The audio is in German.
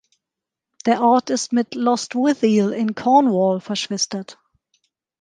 Der Ort ist mit Lostwithiel in Cornwall verschwistert.